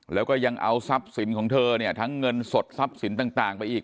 แล้วก็ยังเอาทรัพย์สินของเธอเนี่ยทั้งเงินสดทรัพย์สินต่างไปอีก